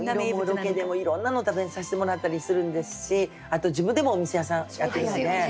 ロケでもいろんなの食べさせてもらったりするんですしあと自分でもお店屋さんやってるので。